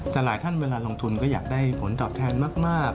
แต่หลายท่านเวลาลงทุนก็อยากได้ผลตอบแทนมาก